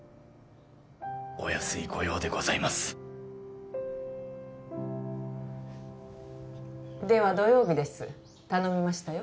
お安いごようでございますでは土曜日です頼みましたよ